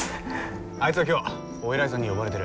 あいつは今日お偉いさんに呼ばれてる。